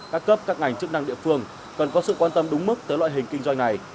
các cấp các ngành chức năng địa phương cần có sự quan tâm đúng mức tới loại hình kinh doanh này